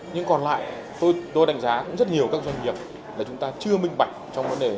nhưng còn lại tôi đánh giá cũng rất nhiều các doanh nghiệp là chúng ta chưa minh bạch trong vấn đề